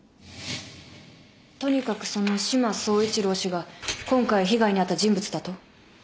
とにかくその志摩総一郎氏が今回被害に遭った人物だと。